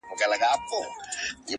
چي پیسې لري بس هغه دي ښاغلي,